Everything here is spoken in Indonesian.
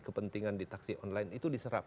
kepentingan di taksi online itu diserap